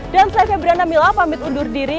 dan saya febriana mila pamit ujung